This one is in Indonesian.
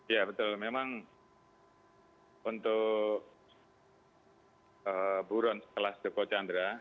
ya betul memang untuk buruan kelas joko candra